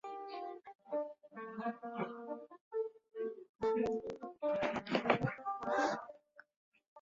张则向陈惠谦询问意见。